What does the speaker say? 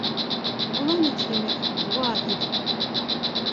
K̆ulaniçkimik mdğura idu.